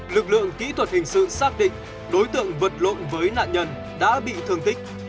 lực lượng kỹ thuật hình sự xác định đối tượng vật lộn với nạn nhân đã bị thương tích